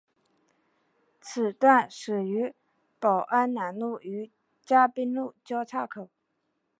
此段始于宝安南路与嘉宾路交叉口。